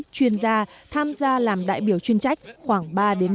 chuyên gia tham gia làm đại biểu chuyên trách khoảng ba năm